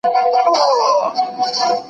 ولي تړون په نړیواله کچه ارزښت لري؟